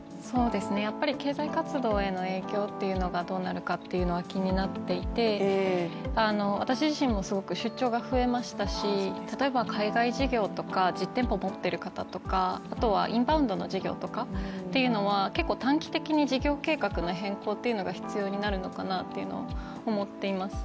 やっぱり経済活動への影響というのがどうなるかというのは気になっていて、私自身もすごく出張が増えましたし例えば海外事業とか実店舗もっている人とかインバウンドの事業とか結構短期的に事業計画の変更というのが必要になるのかなと思っています。